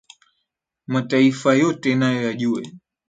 Mataifa yote nayo yajue.